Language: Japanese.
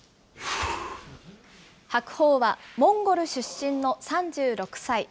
白鵬はモンゴル出身の３６歳。